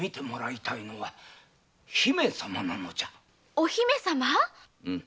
お姫様？